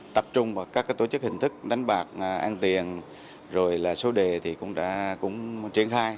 tập trung vào các tổ chức hình thức đánh bạc ăn tiền rồi là số đề thì cũng đã cũng triển khai